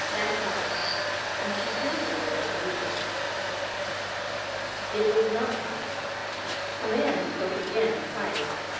That's all." And she turned away resolutely. It was not all. The man spoke again, twice.